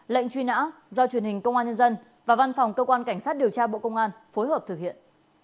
lệnh truy nã do truyền hình công an nhân dân và văn phòng cơ quan cảnh sát điều tra bộ công an phối hợp thực hiện